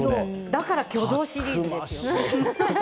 だから巨像シリーズですよ。